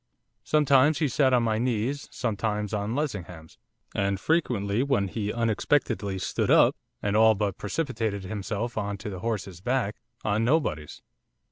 Sometimes he sat on my knees, sometimes on Lessingham's, and frequently, when he unexpectedly stood up, and all but precipitated himself on to the horse's back, on nobody's.